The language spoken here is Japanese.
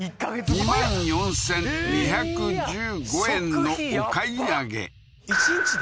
２万４２１５円のお買い上げ１日で？